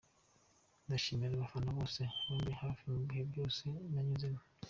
Ndashimira abafana bose bambaye hafi mu bihe byose nanyuzemo.